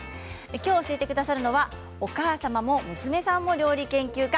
きょう教えてくださるのはお母様も娘さんも料理研究家